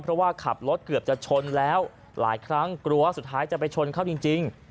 เพราะว่าขับรถเกือบจะชนแล้วหลายครั้งกลัวสุดท้ายจะไปชนเขาจริง